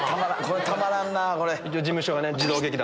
たまらんなぁこれ。